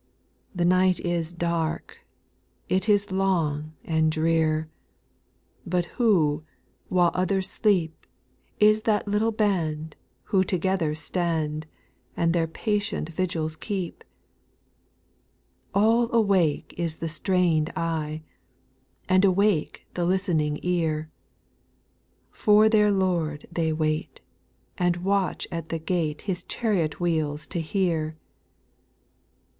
2. The night is dark, it is long and drear. But who, while others sleep, Is that little band, who together stand. And their patient vigils keep ? 8. All awake is the strained eye, And awake the listening ear ; For their Lord they wait, and watch at the gate His chariot wheels to hear.